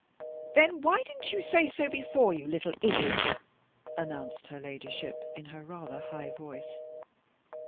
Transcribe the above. " Then why didn't you say so before, you little idiot," announced her ladyship in her rather high voice.